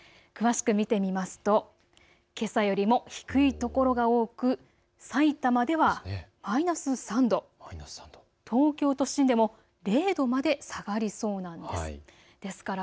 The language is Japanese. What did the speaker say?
詳しく見てみますとけさよりも低いところが多く、さいたまではマイナス３度、東京都心でも０度まで下がりそうなんです。